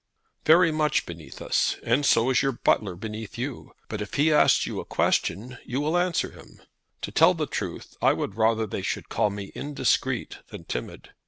"Very much beneath us, and so is your butler beneath you. But if he asks you a question, you answer him. To tell the truth I would rather they should call me indiscreet than timid.